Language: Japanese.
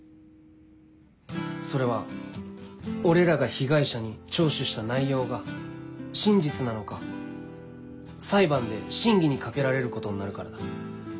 それは俺らが被害者に聴取した内容が真実なのか裁判で審議にかけられることになるからだ。